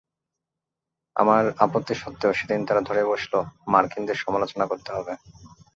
আমার আপত্তি সত্ত্বেও সেদিন তারা ধরে বসল মার্কিনদের সমালোচনা করতে হবে।